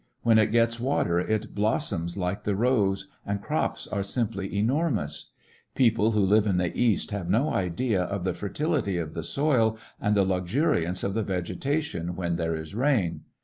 When it gets water it blossoms like the rose, and crops arc simply enormous* People who live in the East have no idea of the fertility of the soO and the luxuriance of the vegetation when there is rain.